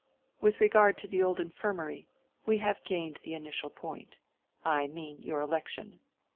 With regard to the old infirmary, we have gained the initial point—I mean your election.